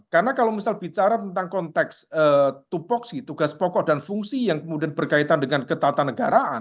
karena kalau misal bicara tentang konteks tupoksi tugas pokok dan fungsi yang kemudian berkaitan dengan ketatanegaraan